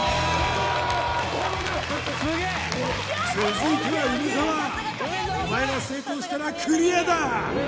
・すげえ続いては梅沢お前が成功したらクリアだ！